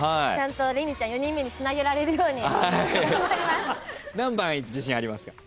ちゃんとれにちゃん４人目につなげられるように頑張ります。